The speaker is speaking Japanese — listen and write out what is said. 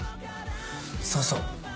そうそう。